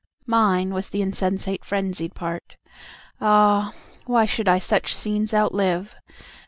Mine was th' insensate frenzied part, Ah! why should I such scenes outlive?